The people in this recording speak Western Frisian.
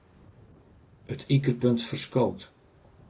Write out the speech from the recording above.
It ikerpunt ferskoot.